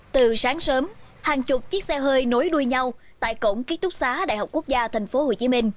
từ sáng sớm hàng chục chiếc xe hơi nối đuôi nhau tại cổng ký túc xá đại học quốc gia tp hcm